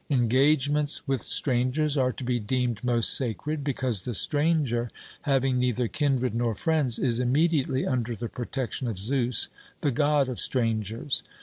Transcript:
Engagements with strangers are to be deemed most sacred, because the stranger, having neither kindred nor friends, is immediately under the protection of Zeus, the God of strangers.